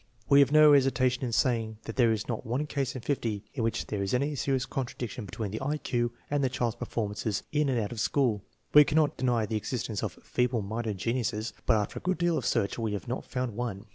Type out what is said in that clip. We have no hesitation in saying that there is not one case in fifty in which there is any serious contradiction between the I Q and the child's performances in and out of school. We cannot deny the existence of " feeble minded geniuses," but after a good deal of search we have not found one.